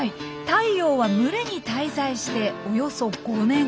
タイヨウは群れに滞在しておよそ５年。